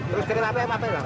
terus kereta api apa